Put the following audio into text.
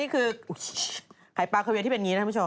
ไข่ปลาคาเวียที่เป็นนี้นะคุณผู้ชม